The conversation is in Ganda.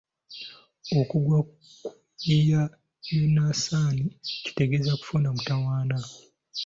Okugwa ku ya Yonasaani kitegeeza kufuna mutawaana.